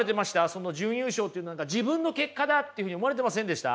その準優勝というのは何か自分の結果だっていうふうに思われてませんでした？